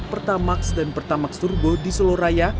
pertamax dan pertamax turbo di seluraya